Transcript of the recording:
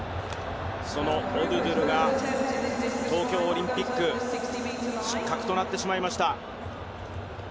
そのオドゥドゥルが東京オリンピック、失格となってしまいました。